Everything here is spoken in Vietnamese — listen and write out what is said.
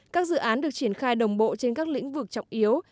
các dự án được triển khai đồng bộ trên các lĩnh vực trọng yếu